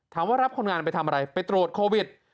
รับคนงานไปทำอะไรไปตรวจโควิด